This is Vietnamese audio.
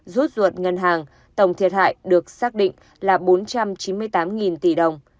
rút ruột ngân hàng tổng thiệt hại được xác định là bốn trăm chín mươi tám tỷ đồng